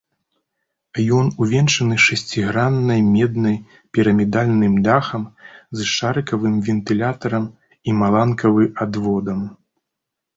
Ён увенчаны шасціграннай меднай пірамідальным дахам з шарыкавым вентылятарам і маланкавы адводам.